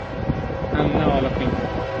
Em nealiqîn.